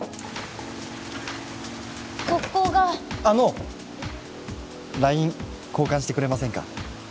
ここがあのＬＩＮＥ交換してくれませんか？